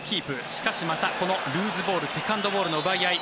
しかしまたこのルーズボールセカンドボールの奪い合い。